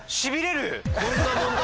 こんな問題